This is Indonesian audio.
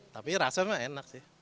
tapi rasanya enak sih